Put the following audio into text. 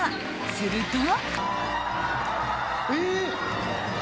すると。